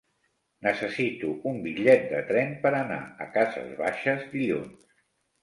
Necessito un bitllet de tren per anar a Cases Baixes dilluns.